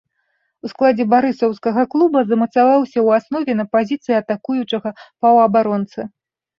У складзе барысаўскага клуба замацаваўся ў аснове на пазіцыі атакуючага паўабаронцы.